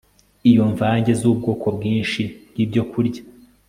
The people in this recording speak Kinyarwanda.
Iyo imvange zubwoko bwinshi bwibyokurya